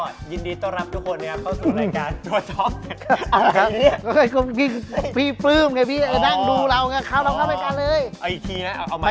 สวัสดีทุกคนเนี่ยฮะ